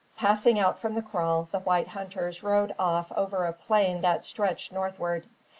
Passing out from the kraal the white hunters rode off over a plain that stretched northward.